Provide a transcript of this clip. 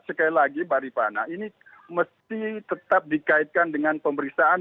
sekali lagi mbak rifana ini mesti tetap dikaitkan dengan pemeriksaan